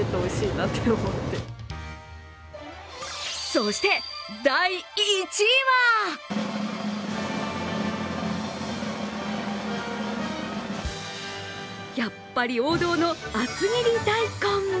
そして第１位は、やっぱり王道の厚切大根。